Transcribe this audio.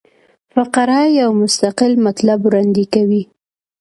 فقره یو مستقل مطلب وړاندي کوي.